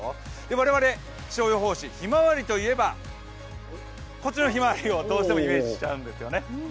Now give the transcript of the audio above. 我々気象予報士、ひまわりといえばこっちのひまわりをどうしても思い浮かべてしまうんです。